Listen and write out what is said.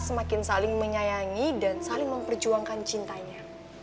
semakin saling menyayangi dan saling memperjuangkan cintanya